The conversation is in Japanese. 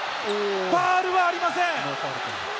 ファウルはありません。